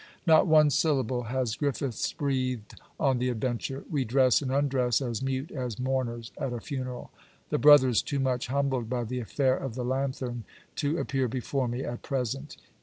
Not one syllable has Griffiths breathed on the adventure. We dress and undress as mute as mourners at a funeral. The brother is too much humbled by the affair of the lanthern, to appear before me at present.